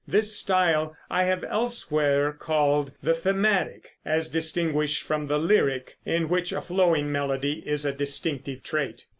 This style I have elsewhere called the "Thematic," as distinguished from the "Lyric," in which a flowing melody is a distinctive trait.